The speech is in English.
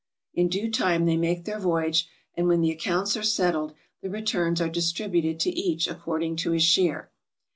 In due time they make their voyage, and when the accounts are settled, the returns are distributed to each according to his share.